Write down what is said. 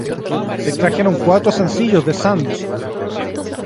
Se extrajeron cuatro sencillos de "St.